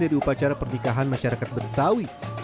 dari upacara pernikahan masyarakat betawi